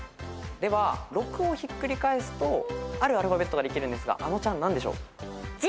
では６をひっくり返すとあるアルファベットができるんですがあのちゃん何でしょう？